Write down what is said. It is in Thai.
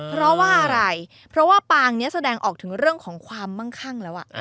เพราะว่าอะไรเพราะว่าปางนี้แสดงออกถึงเรื่องของความมั่งคั่งแล้ว